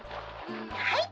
「はい。